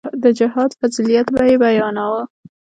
د جهاد فضيلت به يې بياناوه.